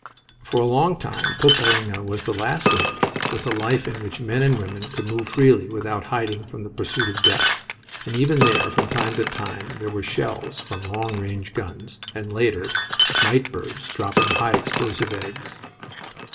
For a long time Poperinghe was the last link with a life in which men and women could move freely without hiding from the pursuit of death; and even there, from time to time, there were shells from long range guns and, later, night birds dropping high explosive eggs.